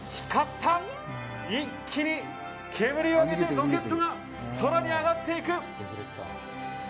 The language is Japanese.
一気に煙を上げてロケットが空に上がっていく。